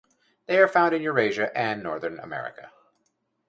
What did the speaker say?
They are found in Eurasia and Northern America.